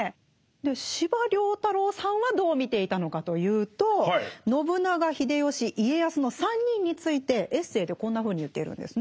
司馬太郎さんはどう見ていたのかというと信長秀吉家康の３人についてエッセーでこんなふうに言っているんですね。